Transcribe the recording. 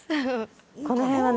この辺はね